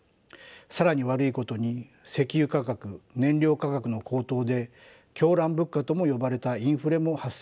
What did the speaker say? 更に悪いことに石油価格燃料価格の高騰で狂乱物価とも呼ばれたインフレも発生しました。